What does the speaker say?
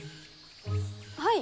はい？